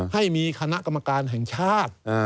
ให้มีคณะกรรมการแห่งชาติ